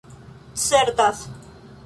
certas